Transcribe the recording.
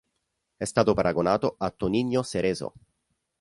È stato paragonato a Toninho Cerezo.